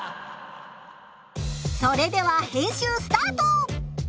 それでは編集スタート！